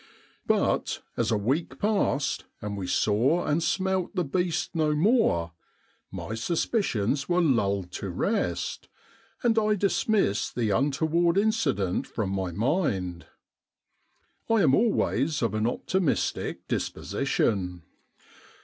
But, as a week passed and we saw and smelt the beast no more, my suspicions were lulled to rest, and I dismissed the untoward incident from my mind. I am always of an optimistic dis position